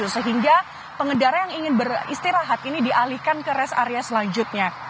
sehingga pengendara yang ingin beristirahat ini dialihkan ke rest area selanjutnya